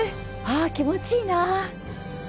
ああ、気持ちいいなあ。